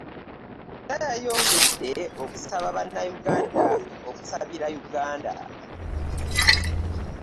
Era yayongedde okusaba bannayuganda okusabira Uganda.